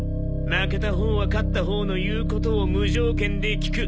負けたほうは勝ったほうの言うことを無条件で聞く。